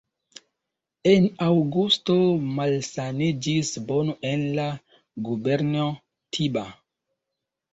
En aŭgusto malsaniĝis bovo en la gubernio Tiba.